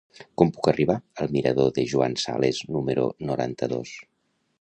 Com puc arribar al mirador de Joan Sales número noranta-dos?